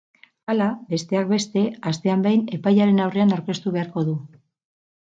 Hala, besteak beste, astean behin epailearen aurrean aurkeztu beharko du.